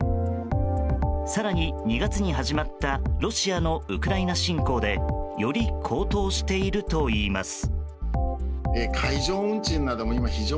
更に、２月に始まったロシアのウクライナ侵攻でより高騰しているといいます。